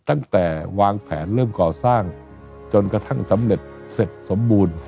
ตั้งแต่วางแผนเริ่มก่อสร้างจนกระทั่งสำเร็จเสร็จสมบูรณ์